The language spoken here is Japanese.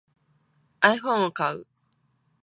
iPhone を買う